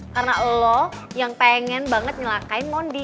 karena lo yang pengen banget ngelakain mondi